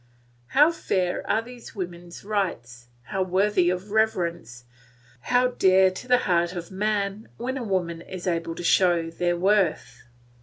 How fair are these woman's rights, how worthy of reverence, how dear to the heart of man when a woman is able to show their worth!